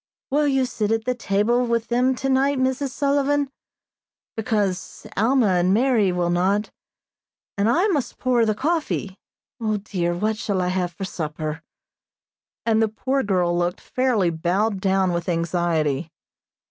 "Will you sit at table with them tonight, Mrs. Sullivan? because Alma and Mary will not, and I must pour the coffee. O, dear, what shall I have for supper?" and the poor girl looked fairly bowed down with anxiety.